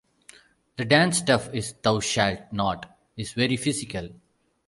The dance stuff in "Thou Shalt Not" is very physical.